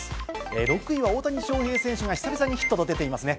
６位は大谷翔平選手が久々にヒットと出ていますね。